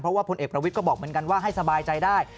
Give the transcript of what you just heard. เพราะว่าพลเอกประวิทย์ก็บอกเหมือนกันว่าให้สบายใจได้